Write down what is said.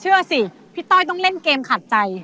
เชื่อสิพี่ต้อยต้องเล่นเกมขาดใจ